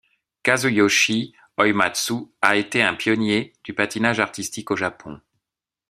Kazuyoshi Oimatsu a été un pionnier du patinage artistique au Japon.